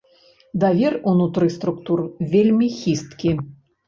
Давер унутры структур вельмі хісткі.